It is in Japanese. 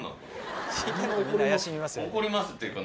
「怒ります」っていうか。